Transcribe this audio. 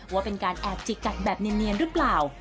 ว่าเป็นการแอบจิกกัดแบบเนียนหรือเปล่า